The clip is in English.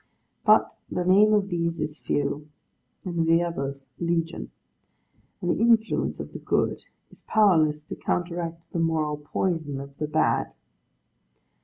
But the name of these is Few, and of the others Legion; and the influence of the good, is powerless to counteract the moral poison of the bad.